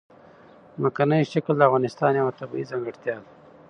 ځمکنی شکل د افغانستان یوه طبیعي ځانګړتیا ده.